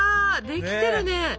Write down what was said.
できてるね。